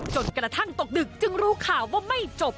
จนกระทั่งตกดึกจึงรู้ข่าวว่าไม่จบ